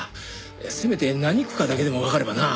せめて何区かだけでもわかればなあ。